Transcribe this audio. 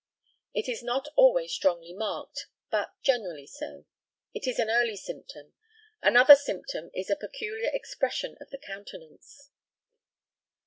It is not always strongly marked, but generally so. It is an early symptom. Another symptom is a peculiar expression of the countenance.